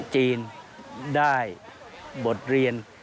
จีนได้บทเรียน